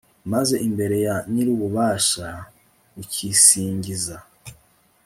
maze imbere ya nyir'ububasha bukisingiza